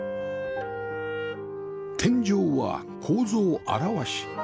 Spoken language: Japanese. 天井は構造現し